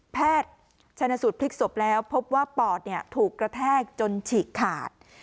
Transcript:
แพทย์ชนสูตรพลิกศพแล้วพบว่าปอดถูกกระแทกจนฉีกขาด